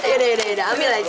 yaudah yaudah yaudah ambil aja